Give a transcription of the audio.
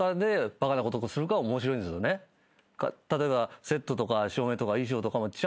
例えば。